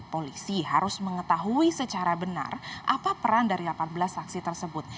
polisi harus mengetahui secara benar apa peran dari delapan belas saksi tersebut